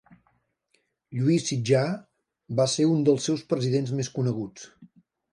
Lluís Sitjar va ser un dels seus presidents més coneguts.